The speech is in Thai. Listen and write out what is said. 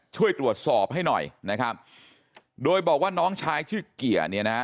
ช่วยตรวจสอบให้หน่อยนะครับโดยบอกว่าน้องชายชื่อเกียร์เนี่ยนะฮะ